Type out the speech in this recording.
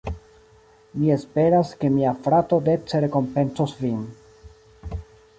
Mi esperas, ke mia frato dece rekompencos vin.